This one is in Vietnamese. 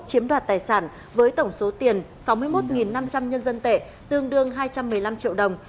chiếm đoạt tài sản với tổng số tiền sáu mươi một năm trăm linh nhân dân tệ tương đương hai trăm một mươi năm triệu đồng